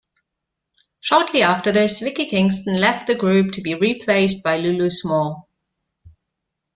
Shortly after this Vicky Kingston left the group, to be replaced by Lulu Small.